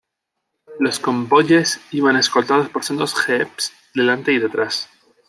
Los convoyes iban escoltados por sendos jeeps, delante y detrás.